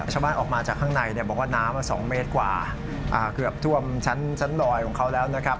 ชาวบ้านออกมาจากข้างในบอกว่าน้ำ๒เมตรกว่าเกือบท่วมชั้นลอยของเขาแล้วนะครับ